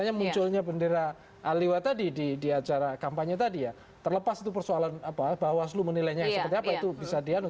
tapi kalau kita lihat di bendera aliwa tadi di acara kampanye tadi ya terlepas itu persoalan apa bahwa seluruh menilainya seperti apa itu bisa dianuh